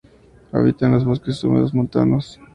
Habita en los bosques húmedos montanos.